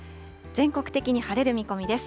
全国的に晴れる見込みです。